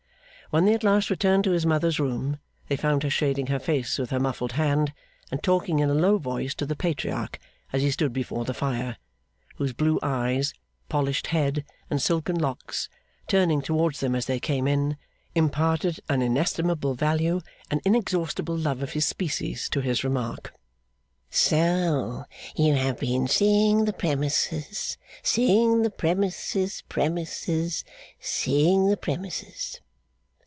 When they at last returned to his mother's room, they found her shading her face with her muffled hand, and talking in a low voice to the Patriarch as he stood before the fire, whose blue eyes, polished head, and silken locks, turning towards them as they came in, imparted an inestimable value and inexhaustible love of his species to his remark: 'So you have been seeing the premises, seeing the premises premises seeing the premises!